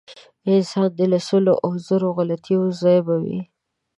انسان دی د سلو او زرو غلطیو ځای به وي.